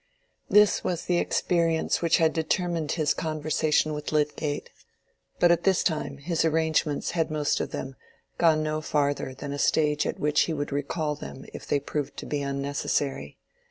This was the experience which had determined his conversation with Lydgate. But at this time his arrangements had most of them gone no farther than a stage at which he could recall them if they proved to be unnecessary.